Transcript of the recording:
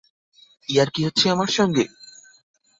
ইয়ার্কি হচ্ছে আমার সঙ্গে?